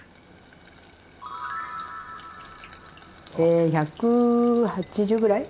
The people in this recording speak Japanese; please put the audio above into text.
え１８０ぐらい？